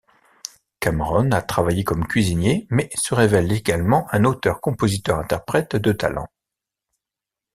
Cameron a travaillé comme cuisinier mais se révèle également un auteur-compositeur-interprète de talent.